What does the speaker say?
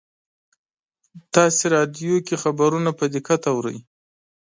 تاسې راډیو کې خبرونه په دقت اورئ